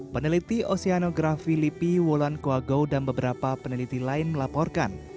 peneliti oseanografi lippi wolonquagau dan beberapa peneliti lain melaporkan